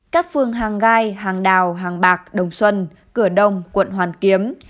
các phương hàng gai hàng đào hàng bạc đồng xuân cửa đông quận hoàn kiếm